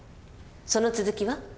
その続きは？